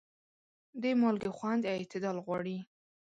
د مالګې خوند اعتدال غواړي.